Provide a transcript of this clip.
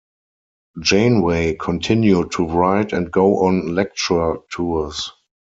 Janeway continued to write and go on lecture tours.